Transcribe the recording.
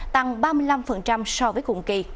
tăng ba mươi năm so với cùng kỳ